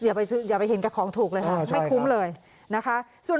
อย่าไปเห็นกับของถูกเลยค่ะไม่คุ้มเลยนะคะ